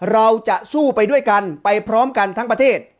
เราจะสู้ไปด้วยกันไปพร้อมกันทั้งประเทศ